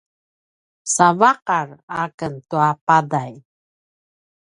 savaqar aken tua paday